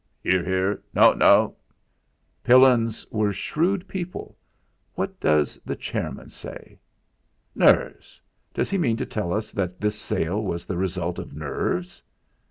("Hear, hear!" "No, no!") "Pillins are shrewd people. What does the chairman say? Nerves! Does he mean to tell us that this sale was the result of nerves?"